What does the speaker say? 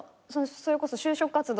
それこそ就職活動